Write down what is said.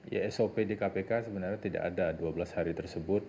ya sop di kpk sebenarnya tidak ada dua belas hari tersebut